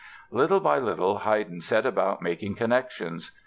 Little by little Haydn set about making connections.